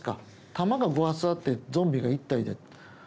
弾が５発あってゾンビが１体でうん。